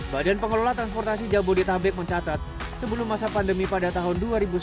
badan pengelola transportasi jabodetabek mencatat sebelum masa pandemi pada tahun dua ribu sembilan belas